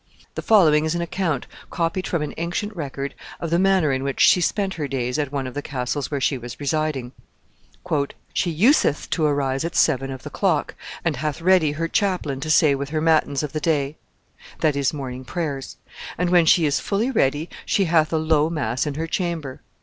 The following is an account, copied from an ancient record, of the manner in which she spent her days at one of the castles where she was residing. "She useth to arise at seven of the clock, and hath readye her chapleyne to say with her mattins of the daye (that is, morning prayers), and when she is fully readye, she hath a lowe mass in her chamber.